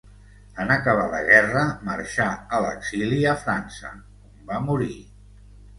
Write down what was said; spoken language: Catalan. En acabar la guerra marxà a l'exili a França, on va morir.